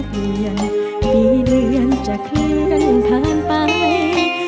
เปลี่ยนปีเดือนจะเคลื่อนผ่านไป